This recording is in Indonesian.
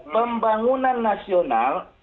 pembangunan nasional adalah